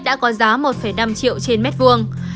đã có giá một năm triệu trên mét vuông